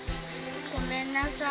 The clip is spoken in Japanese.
ごめんなさい。